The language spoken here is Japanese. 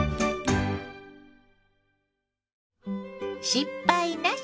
「失敗なし！